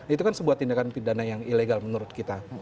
itu kan sebuah tindakan pidana yang ilegal menurut kita